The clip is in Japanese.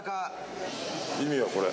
意味はこれ・・